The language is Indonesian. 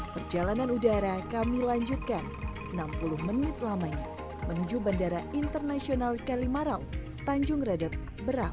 perjalanan udara kami lanjutkan enam puluh menit lamanya menuju bandara internasional kalimarau tanjung redep berau